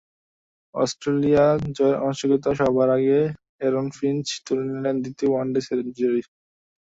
Australia জয়ের আনুষ্ঠানিকতা সারার আগে অ্যারন ফিঞ্চ তুলে নিলেন দ্বিতীয় ওয়ানডে সেঞ্চুরি।